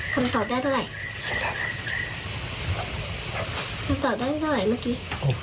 คำตอบได้เท่าไรเมื่อกี้